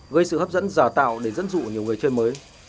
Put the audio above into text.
gây sự hấp dẫn giả tạo để dẫn dụ nhiều người chơi mới